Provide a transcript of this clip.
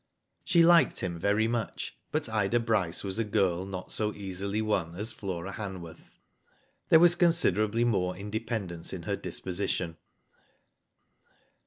She liked him very much, but Ida Bryce was a girl not so easily won as Flora Hanworth. There was considerably more independence in her dis position.